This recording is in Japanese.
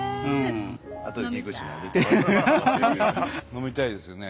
飲みたいですよね。